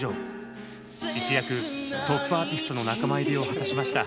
一躍トップアーティストの仲間入りを果たしました。